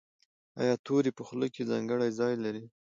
ایا توری په خوله کې ځانګړی ځای لري؟